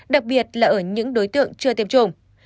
đặc biệt là ở những đối tượng chưa tiêm chủng